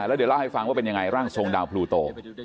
แล้วเดี๋ยวเล่าให้ฟังว่าเป็นยังไงร่างทรงดาวพลูโต